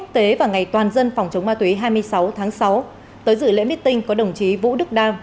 đến vào ngày toàn dân phòng chống ma túy hai mươi sáu tháng sáu tới dự lễ biết tinh có đồng chí vũ đức đam